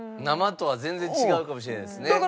生とは全然違うかもしれないですね。